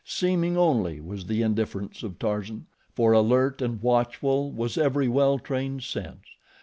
Seeming only was the indifference of Tarzan, for alert and watchful was every well trained sense.